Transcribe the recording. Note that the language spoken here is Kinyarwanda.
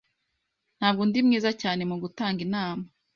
Ntabwo ndi mwiza cyane mu gutanga inama.